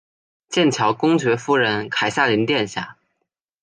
剑桥公爵夫人凯萨琳殿下。